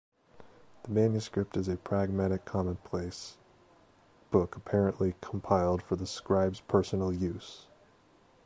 The manuscript is a pragmatic commonplace book apparently compiled for the scribe's personal use.